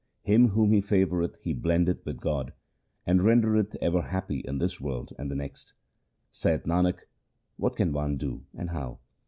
Him whom he favoureth he blendeth with God, And rendereth ever happy in this world and the next. Saith Nanak, what can one do and how